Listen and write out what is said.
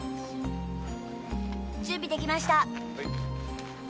準備できました。